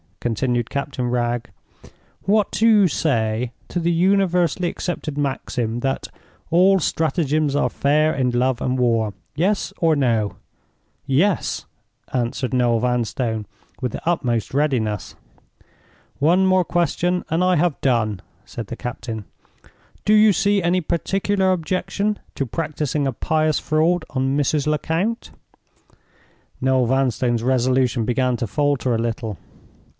continued Captain Wragge. "What do you say to the universally accepted maxim that 'all stratagems are fair in love and war'?—Yes or No?" "Yes!" answered Noel Vanstone, with the utmost readiness. "One more question and I have done," said the captain. "Do you see any particular objection to practicing a pious fraud on Mrs. Lecount?" Noel Vanstone's resolution began to falter a little.